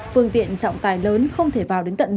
phương tiện trọng tài lớn không thể vào đến tận nơi